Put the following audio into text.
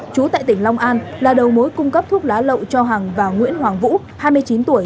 chú tại tỉnh long an là đầu mối cung cấp thuốc lá lậu cho hằng và nguyễn hoàng vũ hai mươi chín tuổi